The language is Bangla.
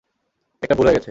একটা ভুল হয়ে গেছে।